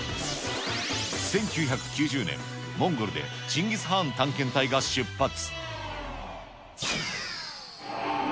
１９９０年、モンゴルでチンギス・ハーン探検隊が出発。